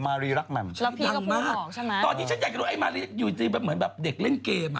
มารีรักแม่มดังมากตอนนี้ฉันอยากจะรู้อยู่ที่เหมือนเด็กเล่นเกม